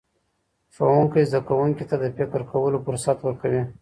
ښوونکی زدهکوونکي ته د فکر کولو فرصت ورکوي.